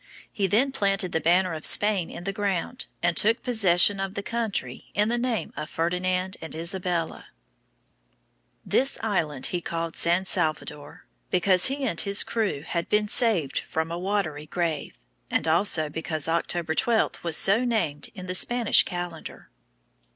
He then planted the banner of Spain in the ground and took possession of the country in the name of Ferdinand and Isabella. [Illustration: The Landing of Columbus.] This island he called San Salvador, because he and his crew had been saved from a watery grave, and also because October 12 was so named in the Spanish calendar.